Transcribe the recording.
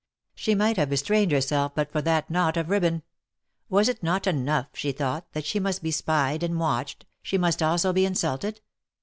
She might have restrained herself but for that knot of ribbon. Was it not enough, she thought, that she must be spied and watched — she must also be insulted